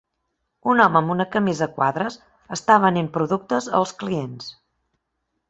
Un home amb una camisa a quadres està venent productes als clients.